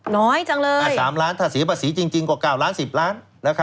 น้อยจังเลย๓ล้านถ้าเสียภาษีจริงกว่า๙ล้าน๑๐ล้าน